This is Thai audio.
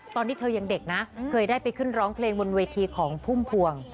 ตอนนี้เธอยังเด็กนะเคยได้ไปขึ้นร้องเพลงบนเวทีของพุ่มพวง